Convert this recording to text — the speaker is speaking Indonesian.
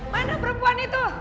mana perempuan itu